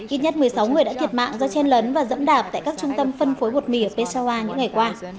ít nhất một mươi sáu người đã thiệt mạng do chen lấn và dẫm đạp tại các trung tâm phân phối bột mì ở pesowa những ngày qua